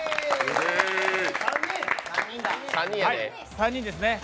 ３人ですね。